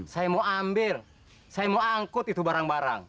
saya mau ambil saya mau angkut itu barang barang